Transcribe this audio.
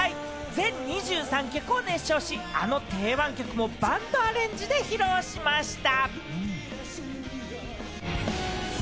全２３曲を熱唱し、あの定番曲もバンドアレンジで披露しました。